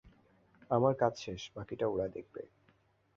আমার কাজ শেষ, বাকিটা ওরা দেখবে।